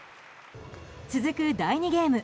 続く第２ゲーム